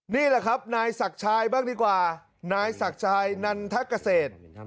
นี่แหละครับนายศักดิ์ชายบ้างดีกว่านายศักดิ์ชายนันทเกษตร